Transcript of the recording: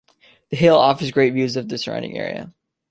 The hill offers great views of the surrounding area.